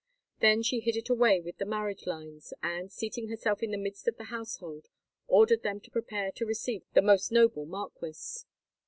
Then she hid it away with the marriage lines, and, seating herself in the midst of the household, ordered them to prepare to receive the most noble marquis.